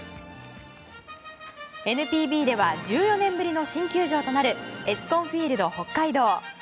ＮＰＢでは１４年ぶりの新球場となるエスコンフィールドＨＯＫＫＡＩＤＯ。